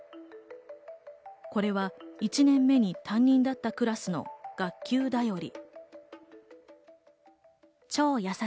これは１年目に担任だったクラスの学級だより。